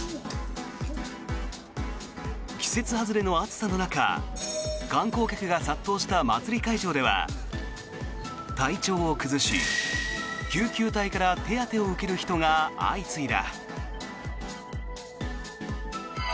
季節外れの暑さの中観光客が殺到した祭り会場では体調を崩し、救急隊から手当てを受ける人が相次いだ。